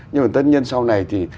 nhưng mà tất nhiên sau này thì